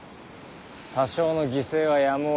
多少の犠牲はやむをえん。